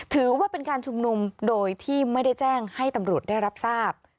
ถือว่าเป็นการชุมนุมโดยที่ไม่ได้แจ้งให้ตำรวจได้รับทราบ